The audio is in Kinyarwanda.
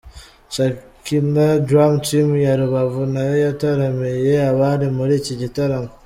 Shekina Dram team ya Rubavu nayo yataramiye abari muri iki gitaramo.